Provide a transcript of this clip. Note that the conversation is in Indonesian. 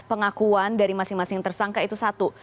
pengakuan dari masing masing tersangka itu satu